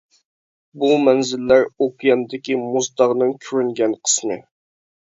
بۇ مەنزىرىلەر ئوكياندىكى مۇز تاغنىڭ كۆرۈنگەن قىسمى.